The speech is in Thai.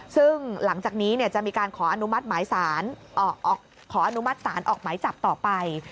ซึ่งหลังจากนี้จะมีการขออนุมัติสารออกไหมจับต่อไป